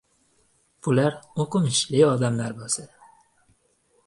Bular o‘qimishli odamlar bo‘lsa.